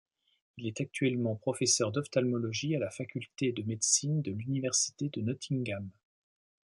Il est actuellement professeur d'ophtalmologie à la faculté de médecine de l'université de Nottingham.